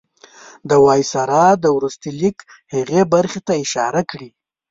د وایسرا د وروستي لیک هغې برخې ته اشاره کړې.